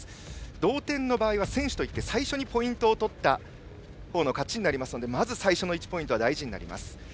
同点の場合は、先取といって最初にポイントを取った方の勝ちになりますのでまず最初の１ポイントが大事です。